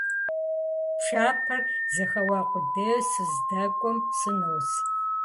Пшапэр зэхэуа къудейуэ сыздэкӀуэм сынос.